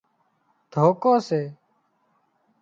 ڌوڪو سي